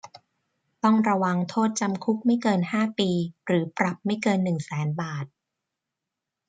ต้องระวางโทษจำคุกไม่เกินห้าปี หรือปรับไม่เกินหนึ่งแสนบาท